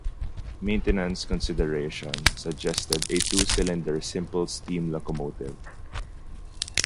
Maintenance considerations suggested a two-cylinder simple steam locomotive.